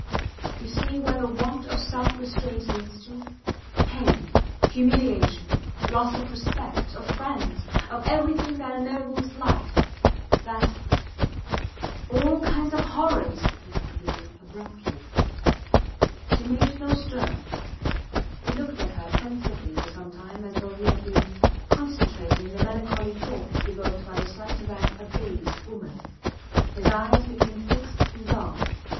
You see where the want of self restraint leads to. Pain humiliation loss of respect of friends, of everything that ennobles life, that ... All kinds of horrors, he concluded, abruptly. She made no stir. He looked at her pensively for some time as though he had been concentrating the melancholy thoughts evoked by the sight of that abased woman. His eyes became fixed and dull.